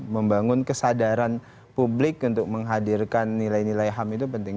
membangun kesadaran publik untuk menghadirkan nilai nilai ham itu penting